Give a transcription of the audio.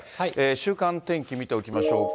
週間天気見ておきましょうか。